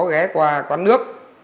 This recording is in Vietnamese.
có ghé qua quán nước